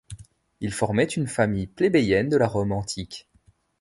Ils formaient une famille plébéienne de la Rome antique.